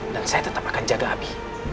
dan saya tetap akan jaga abi